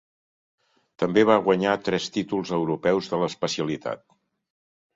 També va guanyar tres títols europeus de l'especialitat.